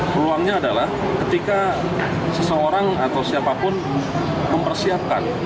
peluangnya adalah ketika seseorang atau siapapun mempersiapkan